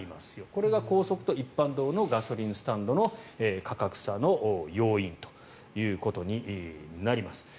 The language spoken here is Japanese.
これが高速と一般道のガソリンスタンドの価格差の要因ということになります。